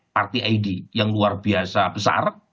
parti id yang luar biasa besar